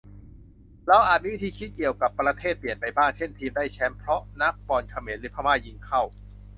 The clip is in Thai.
เราอาจมีวิธีคิดเกี่ยวกับประเทศเปลี่ยนไปบ้าง เช่นทีมได้แช้มป์เพราะนักบอลเขมรหรือพม่ายิงเข้า